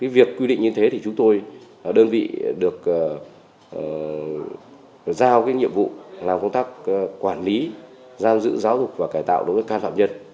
việc quy định như thế thì chúng tôi đơn vị được giao nhiệm vụ làm công tác quản lý giam giữ giáo dục và cải tạo đối với can phạm nhân